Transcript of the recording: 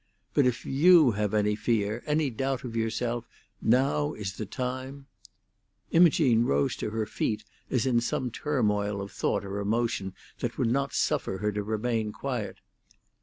But if you have any fear, any doubt of yourself, now is the time—" Imogene rose to her feet as in some turmoil of thought or emotion that would not suffer her to remain quiet.